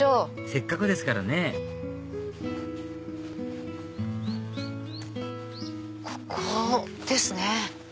せっかくですからねここですね。